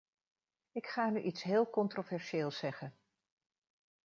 Ik ga nu iets heel controversieels zeggen.